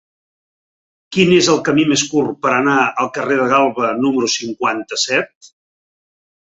Quin és el camí més curt per anar al carrer de Galba número cinquanta-set?